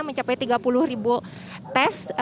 mencapai tiga puluh ribu tes